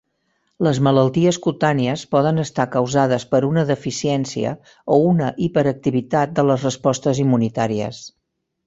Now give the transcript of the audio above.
Les malalties cutànies poden estar causades per una deficiència o una hiperactivitat de les respostes immunitàries.